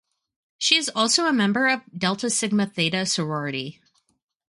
She is also a member of Delta Sigma Theta sorority.